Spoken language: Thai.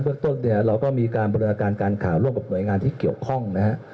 ต้นเนี่ยเราก็มีการบริการการข่าวร่วมกับหน่วยงานที่เกี่ยวข้องนะฮะ